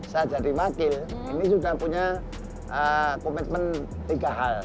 saya jadi wakil ini sudah punya komitmen tiga hal